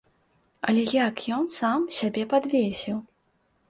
Але як ён сам сябе падвесіў?